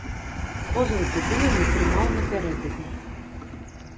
Позву туды ён атрымаў напярэдадні.